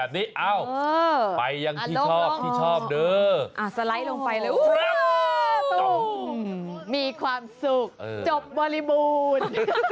มีความสุขจบบริบูรณ์